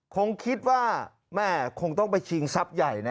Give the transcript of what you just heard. คงคิดว่าแม่คงต้องไปชิงทรัพย์ใหญ่นะ